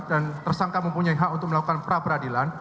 dan tersangka mempunyai hak untuk melakukan pra peradilan